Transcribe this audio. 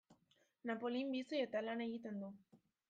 Napolin bizi eta lan egiten du.